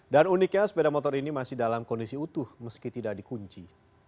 dan uniknya sepeda motor ini masih dalam kondisi utuh meski tidak dikunci